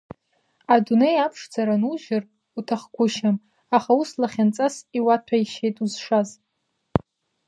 Адунеи аԥшӡара нужьыр уҭахгәышьам, аха ус лахьынҵас иуаҭәеишьеит узшаз.